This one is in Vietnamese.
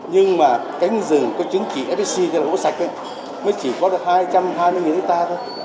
nhưng mà cánh rừng có chứng chỉ fsc cho gỗ sạch ấy mới chỉ có được hai trăm hai mươi hectare thôi